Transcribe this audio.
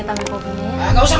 selama alaikum waalaikumsalam